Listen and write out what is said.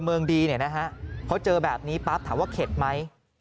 พลเมิงดีนะฮะเพราะเจอแบบนี้ปั๊บถามว่าเข็ดไหม